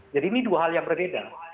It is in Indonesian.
jadi ini dua hal yang berbeda